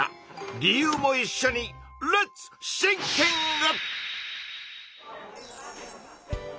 理由もいっしょにレッツシンキング！